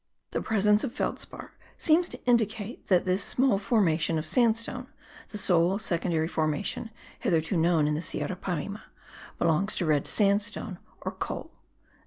The presence of felspar seems to indicate that this small formation of sandstone (the sole secondary formation hitherto known in the Sierra Parime) belongs to red sandstone or coal.